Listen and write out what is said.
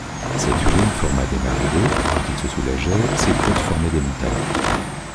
Cette urine forma des marigots, quand il se soulageait, ses crottes formait des montagnes.